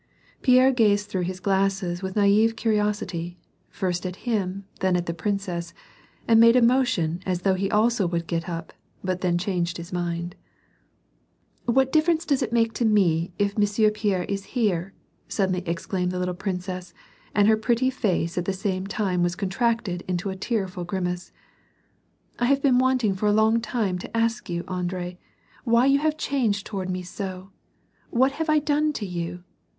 Pierre gazed through his glasses with naive curiosity, first at him then at the princess, and made a motion as though he also would get up, but then changed his mind. " What difference does it make to me if Monsieur Pierre is here !" suddenly exclaimed the little princess, and her pretty face at the same time was contracted into a tearful grimace. " I have been wanting for a long time to ask you, Andre, why you have changed toward me so ? What have I done to you